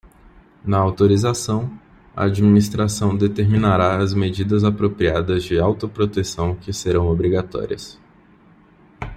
Na autorização, a Administração determinará as medidas apropriadas de autoproteção que serão obrigatórias.